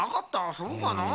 そうかなあ。